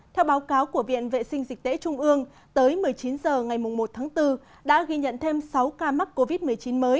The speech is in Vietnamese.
theo báo cáo của viện vệ sinh dịch tễ trung ương tới một mươi chín h ngày một tháng bốn đã ghi nhận thêm sáu ca mắc covid một mươi chín mới